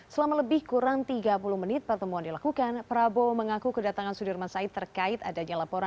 selama lebih kurang tiga puluh menit pertemuan dilakukan prabowo mengaku kedatangan sudirman said terkait adanya laporan